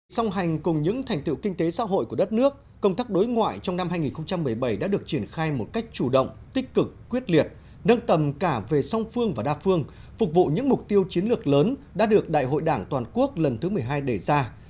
song hành cùng những thành tựu kinh tế xã hội của đất nước công tác đối ngoại trong năm hai nghìn một mươi bảy đã được triển khai một cách chủ động tích cực quyết liệt nâng tầm cả về song phương và đa phương phục vụ những mục tiêu chiến lược lớn đã được đại hội đảng toàn quốc lần thứ một mươi hai đề ra